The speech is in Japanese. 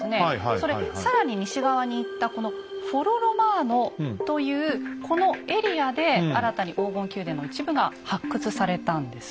それで更に西側に行ったこのフォロ・ロマーノというこのエリアで新たに黄金の宮殿の一部が発掘されたんです。